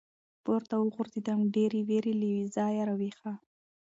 پـورتـه وغورځـېدم ، ډېـرې وېـرې له ځايـه راويـښه.